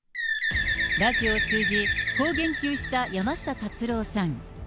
ラジオを通じ、こう言及した山下達郎さん。